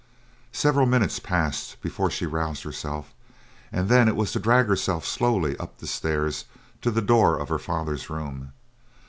Several minutes passed before she roused herself, and then it was to drag herself slowly up the stairs to the door of her father's room.